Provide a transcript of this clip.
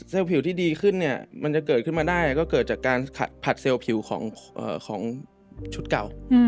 ผิวที่ดีขึ้นเนี่ยมันจะเกิดขึ้นมาได้ก็เกิดจากการผัดเซลล์ผิวของชุดเก่า